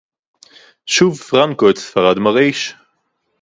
שׁוּב פְרַנְקוֹ אֶת סְפָרַד מַרְעִישׁ